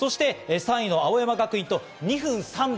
３位の青山学院と２分３秒。